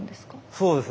そうです